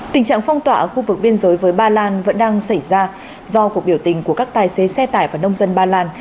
tình trạng phong tỏa ở khu vực biên giới với ba lan vẫn đang xảy ra do cuộc biểu tình của các tài xế xe tải và nông dân ba lan